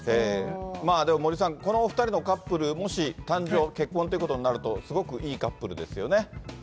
でも森さん、この２人のカップル、もし誕生、結婚ということになると、すごくいいカップルですよね。